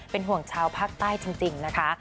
เป็นห่วงชาวภาคใต้จริงนะคะ